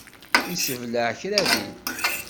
Yessebleε kra din.